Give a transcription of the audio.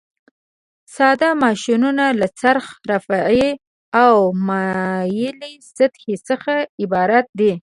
ساده ماشینونه له څرخ، رافعې او مایلې سطحې څخه عبارت دي.